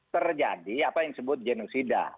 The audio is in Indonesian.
terjadi apa yang disebut genosida